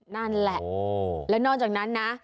นั่นแหละแล้วนอกจากนั้นนะ